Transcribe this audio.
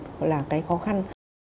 có là cái khó khăn